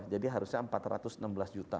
jadi harusnya empat ratus enam belas juta